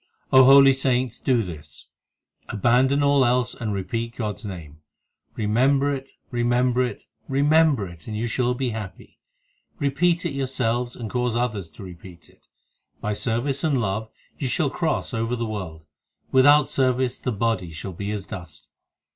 5 O holy saints, do this Abandon all else and repeat God s name ; Remember it, remember it, remember it, and you shall be happy ; Repeat it yourselves and cause others to repeat it. By service and love you shall cross over the world ; Without service the body shall be as dust.